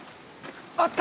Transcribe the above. あった！